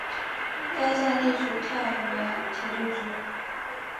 该站隶属太原铁路局。